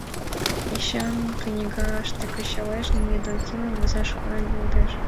Эчан книгаште кычалеш, недоимкым возымым муэш, лудеш.